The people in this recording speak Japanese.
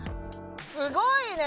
すごいね！